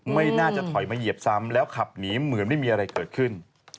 ไม่น่าจะถอยมาเหยียบซ้ำแล้วขับหนีเหมือนไม่มีอะไรเกิดขึ้น